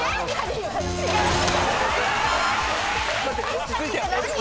落ち着いて。